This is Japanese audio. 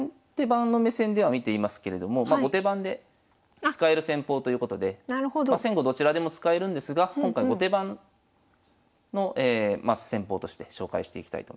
番の目線では見ていますけれども後手番で使える戦法ということで先後どちらでも使えるんですが今回後手番の戦法として紹介していきたいと思います。